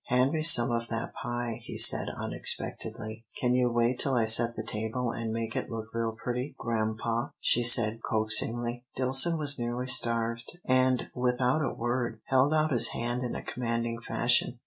"Hand me some of that pie," he said, unexpectedly. "Can you wait till I set the table an' make it look real pretty, grampa?" she said, coaxingly. Dillson was nearly starved, and, without a word, held out his hand in a commanding fashion.